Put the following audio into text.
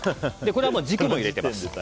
これはもう、軸も入れてます。